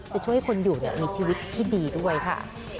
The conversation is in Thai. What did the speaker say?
ช่วยให้คนอยู่มีชีวิตที่ดีด้วยค่ะ